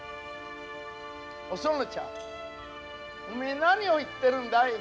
お園ちゃんおめえ何を言ってるんだい？